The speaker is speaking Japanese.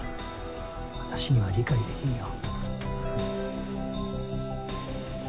私には理解できんよ。